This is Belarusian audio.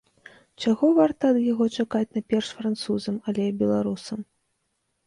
Чаго варта ад яго чакаць найперш французам, але і беларусам?